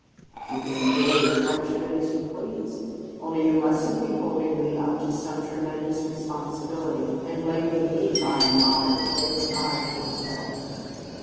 "You can enjoy as much of it as you please, only you mustn't be holding me up to some tremendous responsibility, and blaming me by and by for things I can't help."